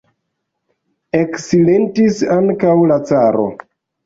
Eksilentis ankaŭ la caro.